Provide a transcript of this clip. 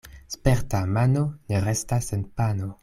Sperta mano ne restas sen pano.